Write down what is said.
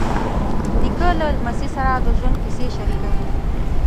نیکه له لمسي سره د ژوند کیسې شریکوي.